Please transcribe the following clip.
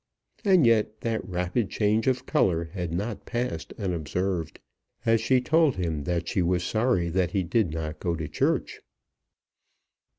And yet that rapid change of colour had not passed unobserved, as she told him that she was sorry that he did not go to church.